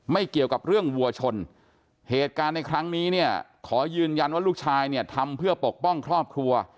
เกี่ยวกับเรื่องวัวชนเหตุการณ์ในครั้งนี้เนี่ยขอยืนยันว่าลูกชายเนี่ยทำเพื่อปกป้องครอบครัว